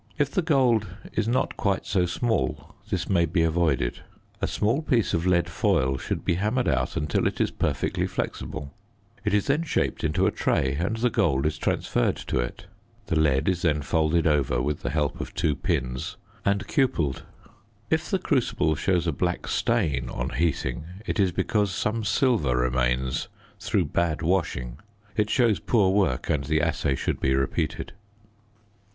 If the gold is not quite so small this may be avoided. A small piece of lead foil should be hammered out until it is perfectly flexible. It is then shaped into a tray and the gold is transferred to it. The lead is then folded over, with the help of two pins; and cupelled. If the crucible shows a black stain on heating it is because some silver remains through bad washing. It shows poor work and the assay should be repeated.